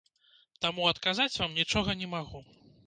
Таму адказаць вам нічога не магу.